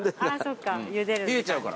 冷えちゃうから。